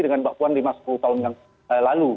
dengan mbak puan lima sepuluh tahun yang lalu